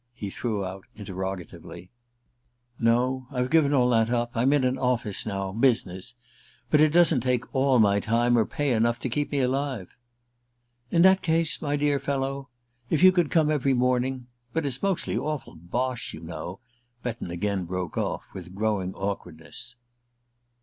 he threw out interrogatively. "No. I've given all that up. I'm in an office now business. But it doesn't take all my time, or pay enough to keep me alive." "In that case, my dear fellow if you could come every morning; but it's mostly awful bosh, you know," Betton again broke off, with growing awkwardness.